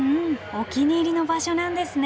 お気に入りの場所なんですね。